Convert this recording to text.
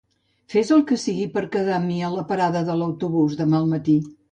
Fes el que sigui per quedar amb mi a la parada de l'autobús demà al matí.